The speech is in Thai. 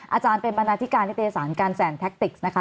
อาจารย์เป็นบรรณาธิการนิตยสารการแสนแท็กติกนะคะ